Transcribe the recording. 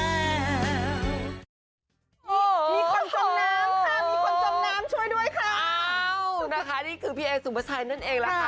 อ้าวนะคะนี่คือพี่แอคสุปประชายนั่นเองล่ะค่ะ